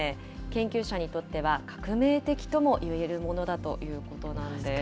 研究者にとっては革命的ともいえるものだということなんです。